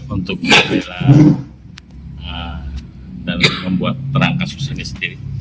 untuk membuat perangkasus ini sendiri